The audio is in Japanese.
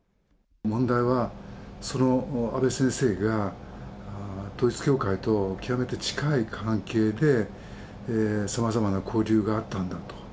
問題はその安倍先生が、統一教会と極めて近い関係で、さまざまな交流があったんだと。